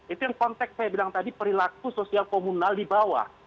itu yang konteks saya bilang tadi perilaku sosial komunal di bawah